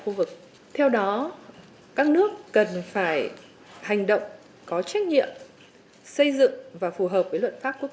khu vực theo đó các nước cần phải hành động có trách nhiệm xây dựng và phù hợp với luật pháp quốc